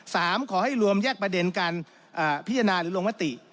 ขอให้รวมแยกประเด็นการพิจารณาหรือลงมติ